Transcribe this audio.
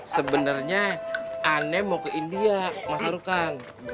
sebenernya ane mau ke india mas sarukan